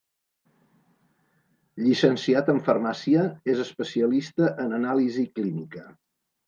Llicenciat en farmàcia, és especialista en anàlisi clínica.